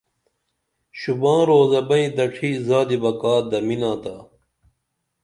شوباں روضہ بئیں دڇھی زادی بہ کا دمِناتا